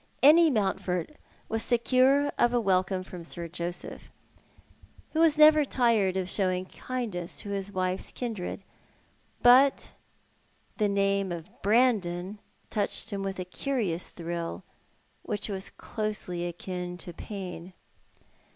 Any ^lountford was secure of a welcome from Sir Joseph, who was never tire I of sliowing kindness to his wife's kindred; but the name of Brandon touched him with a curious thrill which was closely akin to pain.